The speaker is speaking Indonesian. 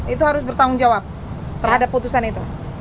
itu harus bertanggung jawab terhadap putusan itu